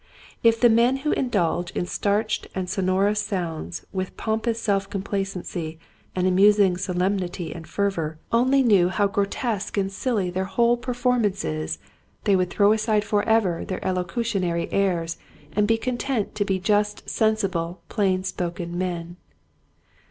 If the men who indulge in starched and sonorous sounds with pompous self complacency and amusing solemnity and fervor only knew Vanity. 1 29 how grotesque and silly their whole per formance is they would throw aside for ever their elocutionary airs and be content to be just sensible plain spoken men.